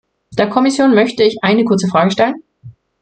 Der Kommission möchte ich eine kurze Frage stellen.